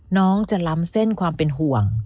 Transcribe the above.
น้องจะล้ำเส้นความเป็นห่วง